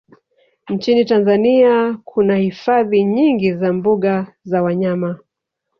Nchini Tanzania kuna hifadhi nyingi za mbuga za wanyama